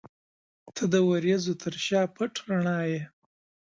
• ته د وریځو تر شا پټ رڼا یې.